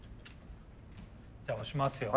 じゃあ押しますよ。